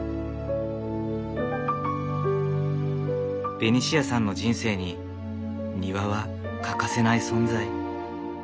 ベニシアさんの人生に庭は欠かせない存在。